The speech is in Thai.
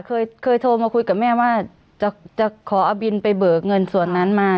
เคยเคยโทรมาคุยกับแม่ว่าจะขอเอาบินไปเบิกเงินส่วนนั้นมา